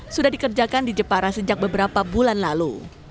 sudah dikerjakan di jepara sejak beberapa bulan lalu